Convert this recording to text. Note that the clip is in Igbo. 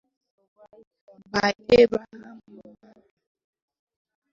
By Abraham Madụ